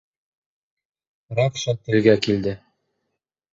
— Ракша телгә килде.